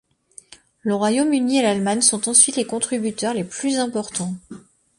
Le Royaume-Uni et l'Allemagne sont ensuite les contributeurs les plus importants.